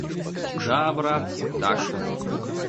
Да, брат, так-то!